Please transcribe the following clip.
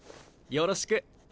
よろしく。